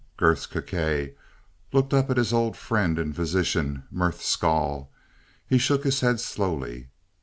Gresth Gkae looked up at his old friend and physician, Merth Skahl. He shook his head slowly.